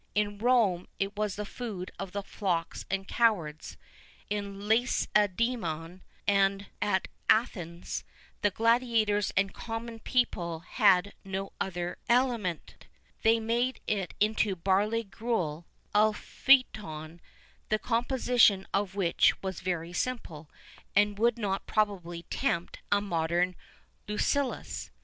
In Rome it was the food of the flocks and cowards.[V 8] In Lacedæmon and at Athens the gladiators and common people had no other aliment;[V 9] they made it into barley gruel (alphiton), the composition of which was very simple, and would not probably tempt a modern Lucullus.